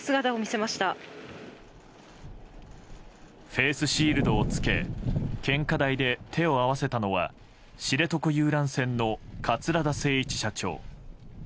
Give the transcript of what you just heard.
フェースシールドを着け献花台で手を合わせたのは知床遊覧船の桂田精一社長。